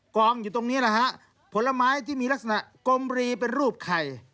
กองอยู่ตรงนี้แหละฮะผลไม้ที่มีลักษณะกลมรีเป็นรูปไข่